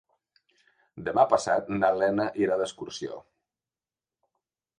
Demà passat na Lena irà d'excursió.